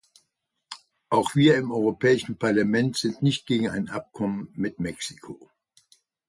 Auch wir im Europäischen Parlament sind nicht gegen ein Abkommen mit Mexiko.